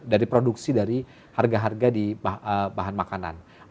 dari produksi dari harga harga di bahan makanan